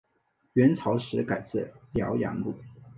元朝时改置辽阳路。